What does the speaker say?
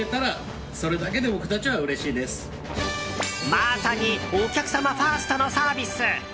まさにお客様ファーストのサービス。